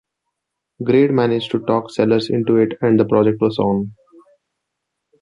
Grade managed to talk Sellers into it and the project was on.